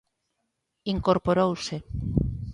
Incorporouse.